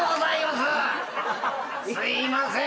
すいません。